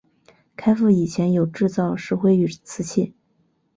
开埠以前有制造石灰与瓷器。